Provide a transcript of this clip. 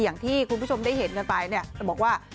อย่างที่คุณผู้ชมได้เห็นกันไปเนี่ยบอกว่า